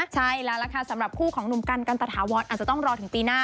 ใช่แล้วล่ะค่ะสำหรับคู่ของหนุ่มกันกันตะถาวรอาจจะต้องรอถึงปีหน้า